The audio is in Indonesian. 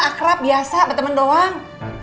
akrab biasa berteman doang